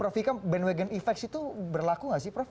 prof ini kan bandwagon effect itu berlaku tidak sih